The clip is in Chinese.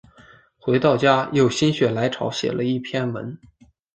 回到家又心血来潮写了一篇文